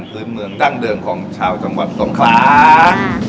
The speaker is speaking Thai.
เป็นเมืองดั้งเดือนของชาวจังหวัดตรงขลาง